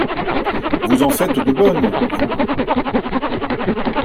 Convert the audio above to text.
Vous en faites de bonnes, vous !